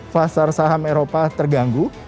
pasar saham eropa terganggu